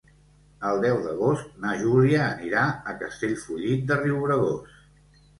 El deu d'agost na Júlia anirà a Castellfollit de Riubregós.